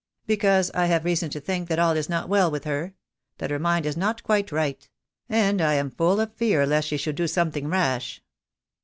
"Because I have reason to think that all is not well with her — that her mind is not quite right — and I am full of fear lest she should do something rash."